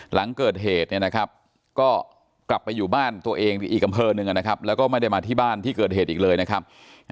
หลังเกิดเหตุก็กลับไปอยู่บ้านตัวเองอีกอำเภอหนึ่งนะครับแล้วก็ไม่ได้มาที่บ้านที่เกิดเหตุอีกเลยนะครับ